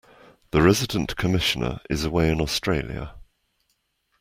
The Resident Commissioner is away in Australia.